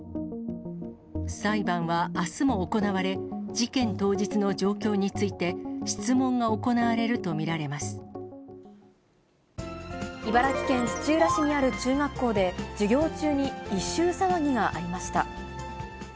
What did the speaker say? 裁判はあすも行われ、事件当日の状況について、茨城県土浦市にある中学校で、授業中に異臭騒ぎがありました。